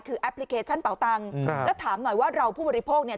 คือแอปพลิเคชันเป่าตังค์แล้วถามหน่อยว่าเราผู้บริโภคเนี่ย